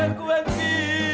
aduh bi sakit bi